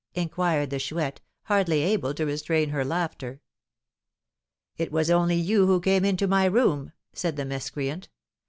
inquired the Chouette, hardly able to restrain her laughter. "It was only you who came into my room," said the miscreant.